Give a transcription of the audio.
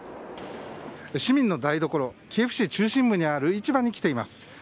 市民の台所キエフ中心部にある市場に来ています。